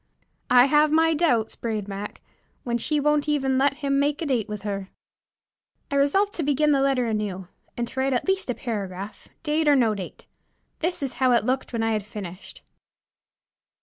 "I have my doubts," brayed Mac, "when she won't even let him make a date with her." I resolved to begin the letter anew, and to write at least a paragraph, date or no date. This is how it looked when I had finished.